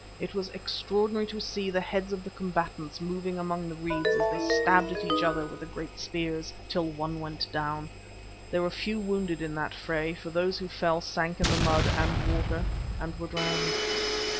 It was extraordinary to see the heads of the combatants moving among the reeds as they stabbed at each other with the great spears, till one went down. There were few wounded in that fray, for those who fell sank in the mud and water and were drowned.